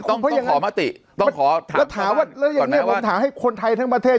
ต้องต้องขอมติต้องขอถามแล้วถามว่าแล้วอย่างนี้ผมถามให้คนไทยทั้งประเทศ